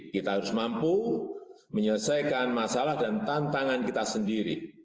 kita harus mampu menyelesaikan masalah dan tantangan kita sendiri